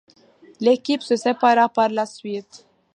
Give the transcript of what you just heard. L'équipe se sépara par la suite.